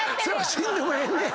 死んでもええねん！